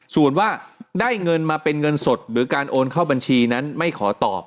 ส่วนว่าได้เงินมาเป็นเงินสดหรือการโอนเข้าบัญชีนั้นไม่ขอตอบ